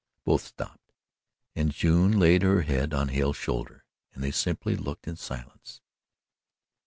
Both stopped, and June laid her head on Hale's shoulder and they simply looked in silence.